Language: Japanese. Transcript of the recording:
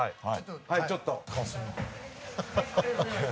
はいちょっと。